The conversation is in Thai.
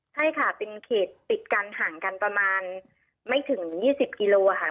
ใช่ค่ะเป็นเขตติดกันห่างกันประมาณไม่ถึง๒๐กิโลค่ะ